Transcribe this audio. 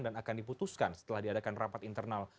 dan akan diputuskan setelah diadakan rapat internal